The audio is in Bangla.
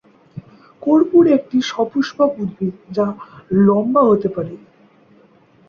কর্পূর একটি সপুষ্পক উদ্ভিদ যা লম্বা হতে পারে।